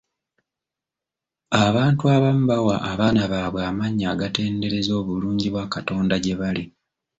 Abantu abamu bawa abaana baabwe amannya agatendereza obulungi bwa Katonda gye bali.